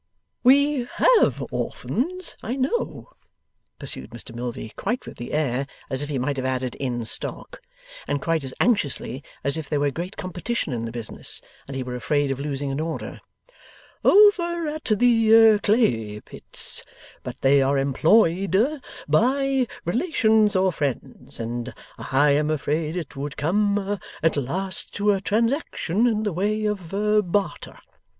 'We have orphans, I know,' pursued Mr Milvey, quite with the air as if he might have added, 'in stock,' and quite as anxiously as if there were great competition in the business and he were afraid of losing an order, 'over at the clay pits; but they are employed by relations or friends, and I am afraid it would come at last to a transaction in the way of barter.